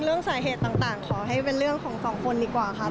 เรื่องสาเหตุต่างขอให้เป็นเรื่องของสองคนดีกว่าค่ะ